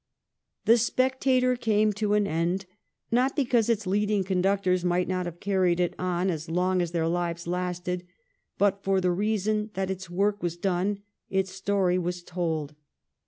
* The Spectator ' came to an end, not because its leading conductors might not have carried it on as long as their lives lasted, but for the reason that its work was done, its story was told.